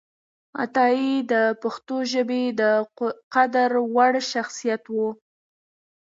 عطایي د پښتو ژبې د قدر وړ شخصیت و